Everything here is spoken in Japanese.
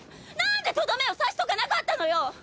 何でとどめを刺しとかなかったのよ！